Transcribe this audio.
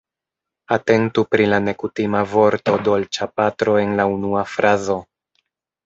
Atentu pri la nekutima vorto dolĉapatro en la unua frazo.